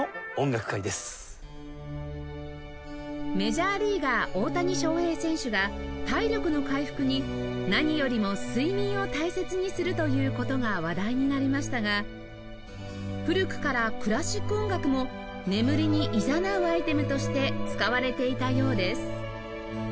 メジャーリーガー大谷翔平選手が体力の回復に何よりも睡眠を大切にするという事が話題になりましたが古くからクラシック音楽も眠りにいざなうアイテムとして使われていたようです